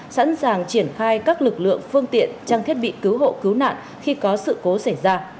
sẵn sàng triển khai các lực lượng phương tiện trang thiết bị cứu hộ cứu nạn khi có sự cố xảy ra